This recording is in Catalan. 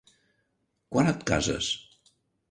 Quan et cases?